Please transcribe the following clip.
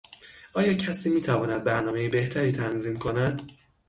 آیا کسی میتواند برنامهی بهتری تنظیم کند؟